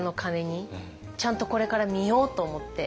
ちゃんとこれから見ようと思って。